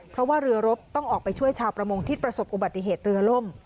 เพราะว่าเรือรบต้องออกไปช่วยชาวประมงที่ประสบอุบัติเหตุเรือล่ม